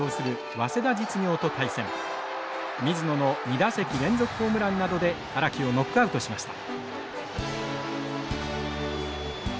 水野の２打席連続ホームランなどで荒木をノックアウトしました。